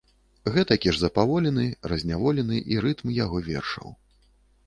Гэтакі ж запаволены, разняволены і рытм яго вершаў.